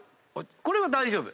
これは大丈夫。